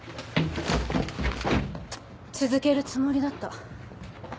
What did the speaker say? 続けるつもりだった。